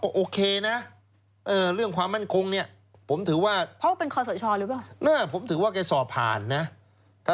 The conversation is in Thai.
ก็ยังมีเหตุความไม่สงบเกิดขึ้นอยู่นะคะ